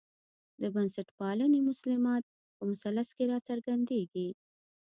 د بنسټپالنې مسلمات په مثلث کې راڅرګندېږي.